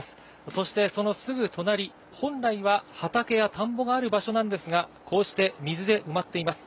そして、そのすぐ隣、本来は畑や田んぼがある場所なんですが、こうして水で埋まっています。